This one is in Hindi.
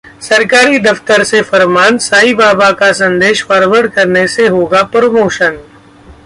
सरकारी दफ्तर से फरमान- साईबाबा का संदेश फारवर्ड करने से होगा प्रमोशन!